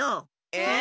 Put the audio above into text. え？